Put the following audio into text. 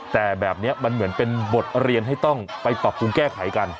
แต่แบบนี้มันเหมือนเป็นบทเรียนให้ต้องไปปรับปรุงแก้ไขกัน